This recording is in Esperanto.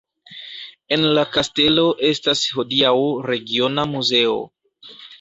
En la kastelo estas hodiaŭ regiona muzeo.